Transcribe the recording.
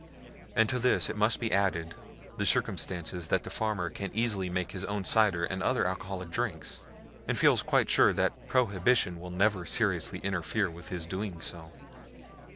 And to this must be added the circumstance that the farmer can easily make his own cider and other alcoholic drinks, and feels quite sure that Prohibition will never seriously interfere with his doing so.